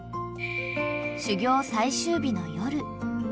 ［修業最終日の夜］